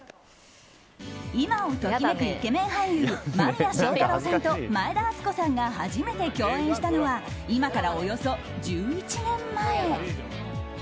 今を時めくイケメン俳優間宮祥太朗さんと前田敦子さんが初めて共演したのは今からおよそ１１年前。